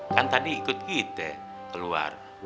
kan tadi ikut gitu ya keluar